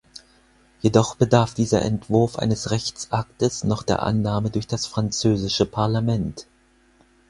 Jedoch bedarf dieser Entwurf eines Rechtsaktes noch der Annahme durch das französische Parlament.